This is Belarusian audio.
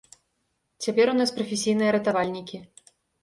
Цяпер у нас прафесійныя ратавальнікі.